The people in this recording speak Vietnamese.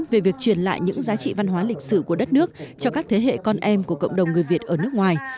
về việc truyền lại những giá trị văn hóa lịch sử của đất nước cho các thế hệ con em của cộng đồng người việt ở nước ngoài